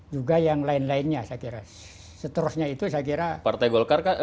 juga yang lain lainnya saya kira seterusnya itu saya kira partai golkar